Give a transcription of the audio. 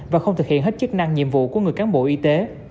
và không thực hiện hết chức năng nhiệm vụ của người cán bộ y tế